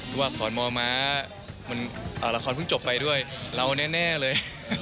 ถูกว่าขอนมมราคอนเพิ่งจบไปด้วยเราแน่เลย